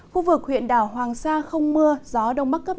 khu vực huyện đảo hoàng sa không mưa gió đông bắc cấp năm